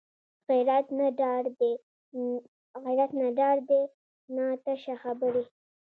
غیرت نه ډار دی نه تشه خبرې